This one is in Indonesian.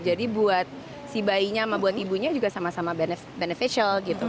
jadi buat si bayinya sama buat ibunya juga sama sama beneficial gitu